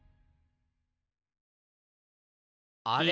あれ？